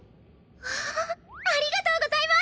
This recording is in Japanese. わあありがとうございます！